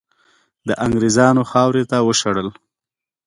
د انګریزانو خاورې ته وشړل.